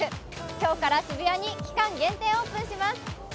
今日から渋谷に期間限定オープンします。